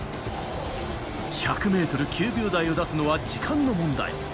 １００ｍ９秒台を出すのは時間の問題。